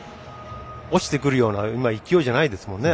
落ちてくるような勢いじゃないですもんね